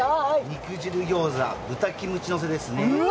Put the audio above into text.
肉汁餃子豚キムチのせです。